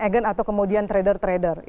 agen atau kemudian trader trader